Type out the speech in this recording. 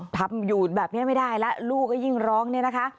ทำอยู่แบบนี้ไม่ได้แล้วลูกก็ยิ่งร้องเนี่ยนะคะ